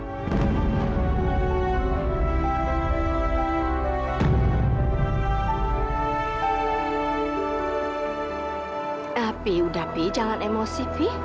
pak pi udah pi jangan emosi pi